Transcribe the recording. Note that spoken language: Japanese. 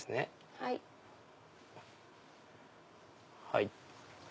はい。